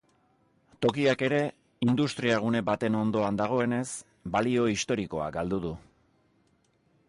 Tokiak ere, industriagune baten ondoan dagoenez, balio historikoa galdu du.